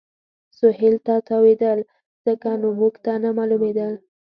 سهېل ته تاوېدل، ځکه نو موږ ته نه معلومېدل.